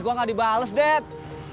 smp gua enggak dibales dad